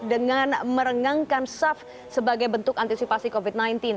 dengan merengangkan saf sebagai bentuk antisipasi covid sembilan belas